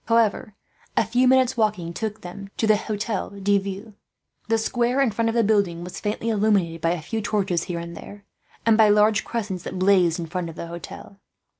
However, a few minutes' walking took them to the Hotel de Ville. The square in front of the building was faintly illuminated by a few torches, here and there, and by large cressets that blazed in front of the Hotel.